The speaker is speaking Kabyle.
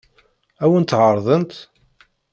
Ad wen-tt-ɛeṛḍent?